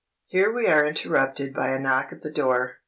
Here we were interrupted by a knock at the door.